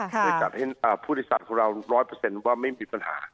เพื่อจะให้ผู้โดยสารเรา๑๐๐ว่าไม่มีปัญหา